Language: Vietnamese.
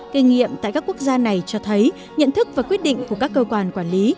kinh nghiệm tại các quốc gia này cho thấy nhận thức và quyết định của các cơ quan quản lý